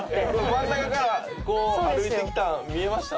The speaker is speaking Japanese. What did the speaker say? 真ん中からこう歩いてきたの見えました？